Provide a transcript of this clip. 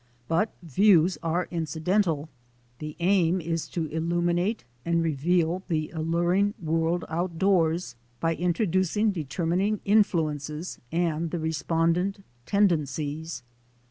But views are incidental. The aim is to illuminate and reveal the alluring world outdoors by introducing determining influences and the re spondent tendencies.